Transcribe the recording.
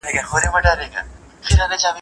موږ باید د ځان وژنې میزان معلوم کړو.